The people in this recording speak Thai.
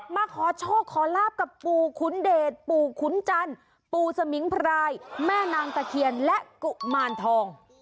มาขอโชคขอลาบกับปู่ขุนเดชปู่ขุนจันทร์ปู่สมิงพรายแม่นางตะเคียนและกุมารทอง